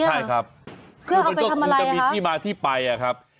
ใช่ครับกูจะมีที่มาที่ไปครับ